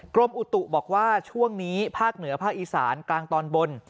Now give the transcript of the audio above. กรมอุตุบอกว่าช่วงนี้ภาคเหนือภาคอีสานกลางตอนบน